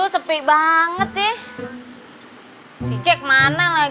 ya tapi tondo